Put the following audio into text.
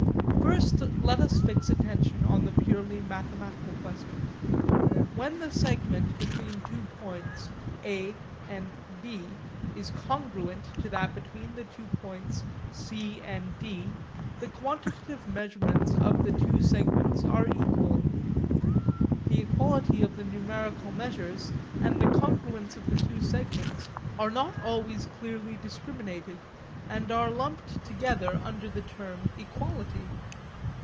First let us fix attention on the purely mathematical question. When the segment between two points A and B is congruent to that between the two points C and D, the quantitative measurements of the two segments are equal. The equality of the numerical measures and the congruence of the two segments are not always clearly discriminated, and are lumped together under the term equality.